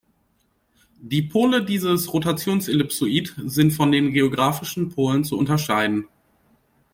Die Pole dieses Rotationsellipsoid sind von den geografischen Polen zu unterscheiden.